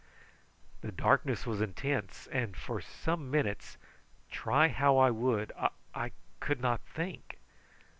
The darkness was intense, and for some minutes, try how I would, I could not think.